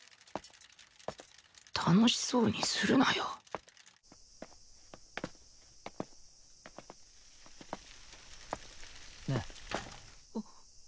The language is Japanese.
楽しそうにするなよねえ。